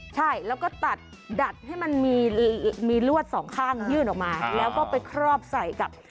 ใช่แล้วก็ตัดดัดให้มันมีลวดสองข้างยื่นออกมาแล้วก็ไปครอบใส่กับ